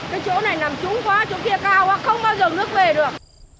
cái chỗ này nằm trúng quá chỗ kia cao quá không bao giờ nước về được